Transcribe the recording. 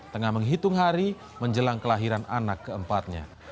tengah menghitung hari menjelang kelahiran anak ke empat nya